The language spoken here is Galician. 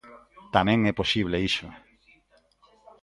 Tamén é posible iso.